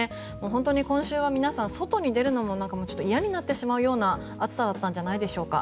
本当に今週は皆さん外に出るのも嫌になってしまうような暑さだったんじゃないでしょうか。